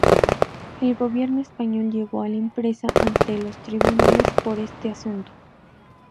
El gobierno español llevó a la empresa ante los tribunales por este asunto.